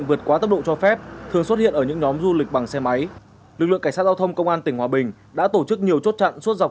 việc rèn luyện thường xuyên thì nó rất là quan trọng